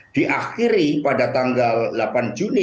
diakhiri pada tanggal delapan juni